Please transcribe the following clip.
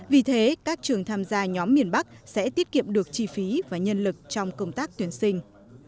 vì thế các trường tham gia nhóm miền bắc sẽ tiết kiệm được chi phí và nhân lực trong công tác tuyển sinh